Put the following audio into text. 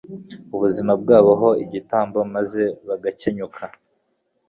ubuzima bwabo ho igitambo, maze bagakenyuka,